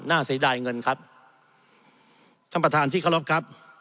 น่าเสนอได้เงินครับ